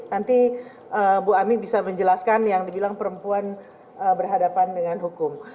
nanti bu amin bisa menjelaskan yang dibilang perempuan berhadapan dengan hukum